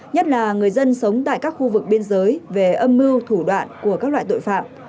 nhất là người dân sống tại các khu vực biên giới về âm mưu thủ đoạn của các loại tội phạm